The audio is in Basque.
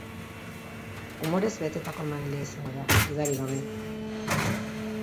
Umorez betetako emanaldia izango da, dudarik gabe.